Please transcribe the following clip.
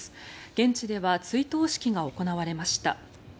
現地では追悼式が行われました。